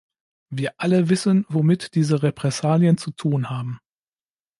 Wir alle wissen, womit diese Repressalien zu tun haben.